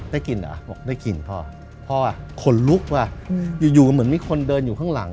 ได้กินเหรอบอกได้กินพ่อพ่อขนลุกว่ะอยู่เหมือนมีคนเดินอยู่ข้างหลัง